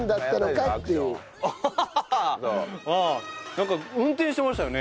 なんか運転してましたよね？